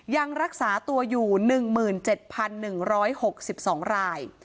ยังรักษาตัวอยู่๑๗๑๖๒ราย